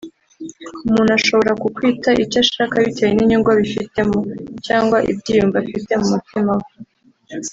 umuntu ashobora kukwita icyo ashaka bitewe n’inyungu abifitemo cyangwa ibyiyumvo afite mu mutima we